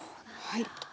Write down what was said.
はい。